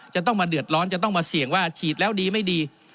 จะต้องมาเดือดร้อนจะต้องมาเสี่ยงว่าฉีดแล้วดีไม่ดี